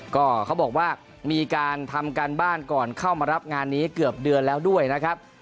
ก็เขาบอกว่ามีการทำการบ้านก่อนเข้ามารับงานนี้เกือบเดือนแล้วด้วยนะครับ